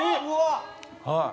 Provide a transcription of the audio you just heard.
はい。